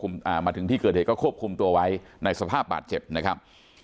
อ่ามาถึงที่เกิดเหตุก็ควบคุมตัวไว้ในสภาพบาดเจ็บนะครับ